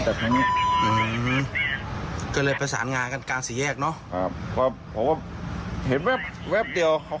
จากทางนี้ก็เลยประสานงานกันการสี่แยกเนาะเห็นแว็บเดียวเขา